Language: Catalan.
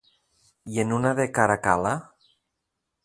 I en una de Caracal·la?